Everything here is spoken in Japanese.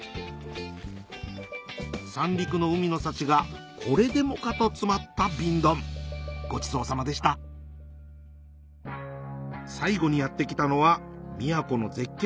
三陸の海の幸がこれでもかと詰まった瓶ドンごちそうさまでした最後にやって来たのは宮古の絶景